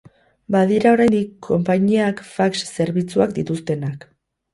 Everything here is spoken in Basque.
Badira oraindik konpainiak fax zerbitzuak dituztenak.